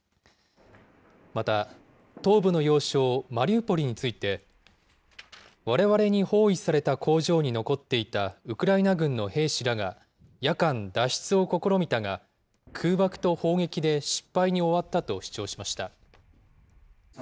また、東部の要衝マリウポリについて、われわれに包囲された工場に残っていたウクライナ軍の兵士らが夜間、脱出を試みたが、空爆と砲撃で失敗に終わったと主張しました。